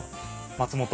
松本。